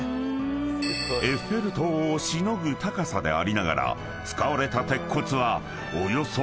［エッフェル塔をしのぐ高さでありながら使われた鉄骨はおよそ半分］